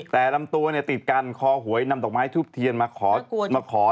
แต่ลำตัวเนี่ยติดกันคอหวยนำดอกไม้ทูบเทียนมาขอมาขอ